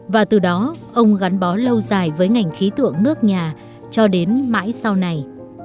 và từ đó ông gắn bó lâu dài với ngành khí tượng nước nhà cho đến mãi sau này